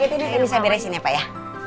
apalagi ini saya beresin ya pak ya